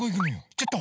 ちょっと？